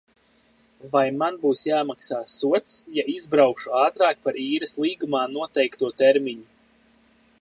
Vai man būs jāmaksā sods, ja izbraukšu ātrāk par īres līgumā noteikto termiņu?